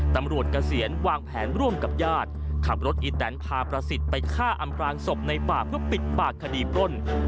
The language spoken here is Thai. เกษียณวางแผนร่วมกับญาติขับรถอีแตนพาประสิทธิ์ไปฆ่าอำพลางศพในป่าเพื่อปิดปากคดีปล้น